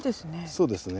そうですね。